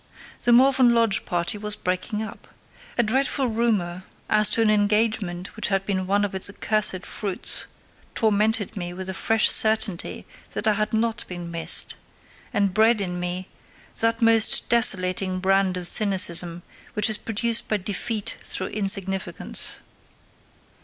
The Morven Lodge party was breaking up. A dreadful rumour as to an engagement which had been one of its accursed fruits tormented me with the fresh certainty that I had not been missed, and bred in me that most desolating brand of cynicism which is produced by defeat through insignificance.